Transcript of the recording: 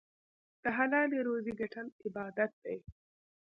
د حلالې روزۍ ګټل عبادت دی.